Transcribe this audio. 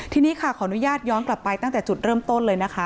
ทีนี้ค่ะขออนุญาตย้อนกลับไปตั้งแต่จุดเริ่มต้นเลยนะคะ